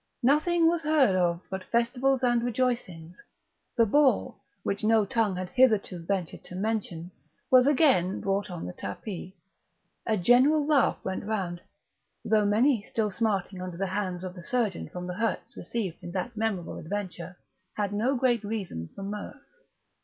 Nothing was heard of but festivals and rejoicings; the ball, which no tongue had hitherto ventured to mention, was again brought on the tapis; a general laugh went round, though many, still smarting under the hands of the surgeon from the hurts received in that memorable adventure, had no great reason for mirth.